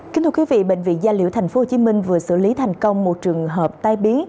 bệnh viện gia liễu tp hcm vừa xử lý thành công một trường hợp tai bí